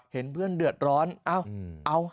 เห็นเพื่อนเดือดร้อนเอ้าเอา